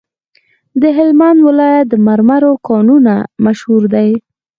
د هلمند ولایت د مرمرو کانونه مشهور دي؟